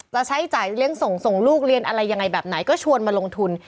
จะใช้จ่ายเลี้ยงส่งส่งลูกเรียนอะไรยังไงแบบไหนก็ชวนมาลงทุน